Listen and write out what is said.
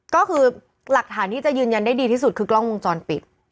ก็คือหลักฐานที่จะยืนยันได้ดีที่สุดคือกล้องวงจรปิด